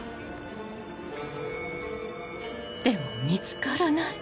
［でも見つからない］